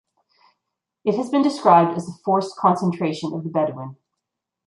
It has been described as the "forced concentration of the Bedouin".